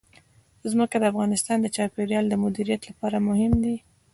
ځمکه د افغانستان د چاپیریال د مدیریت لپاره مهم دي.